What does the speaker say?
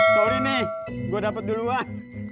sorry nih gue dapat duluan